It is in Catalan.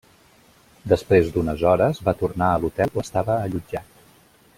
Després d'unes hores, va tornar a l'hotel on estava allotjat.